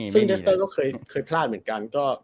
ซึ่งเลสเตอร์ก็เคยพลาดเหมือนกัน